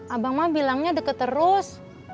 abang mama bilangnya deket terus